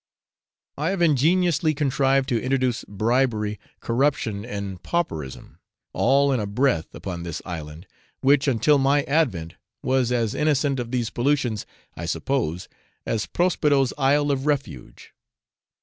I have ingeniously contrived to introduce bribery, corruption, and pauperism, all in a breath, upon this island, which, until my advent, was as innocent of these pollutions, I suppose, as Prospero's isle of refuge.